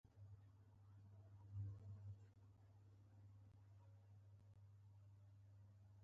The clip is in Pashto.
ولې تجدید ونوموو.